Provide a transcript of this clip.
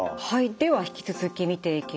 では引き続き見ていきます。